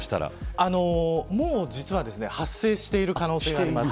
もう実は発生している可能性があります。